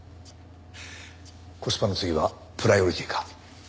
コスパの次はプライオリティか。